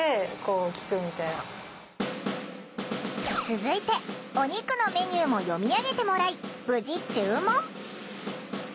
続いてお肉のメニューも読み上げてもらい無事注文。